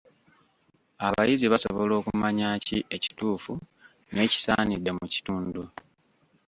Abayizi basobola okumanya ki ekituufu n'ekisaanidde mu kitundu.